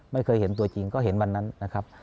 ไม่เคยเห็นตัวจริงก็เห็นวันนั้นนะครับ